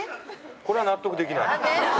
これは納得できない。